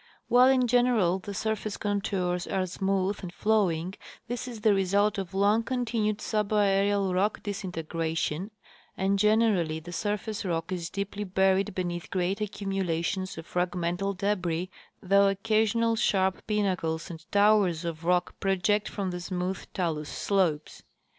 While in general the surface contours are smooth and flowing, this is the result of long continued subaerial rock disintegration, and gen erally the surface rock is deeply buried beneath great accumu lations of fragmental debris, though occasional sharp pinnacles and towers of rock project from the smooth talus slopes.